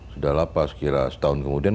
sudah lapas kira setahun kemudian